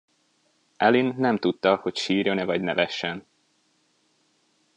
Aline nem tudta, hogy sírjon-e vagy nevessen.